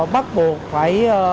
bắt buộc phải